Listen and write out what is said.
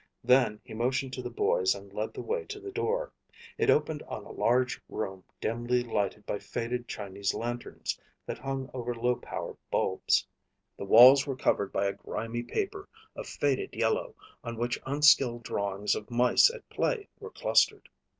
Then he motioned to the boys and led the way to the door. It opened on a large room dimly lighted by faded Chinese lanterns that hung over low power bulbs. The walls were covered with a grimy paper of faded yellow on which unskilled drawings of mice at play were clustered.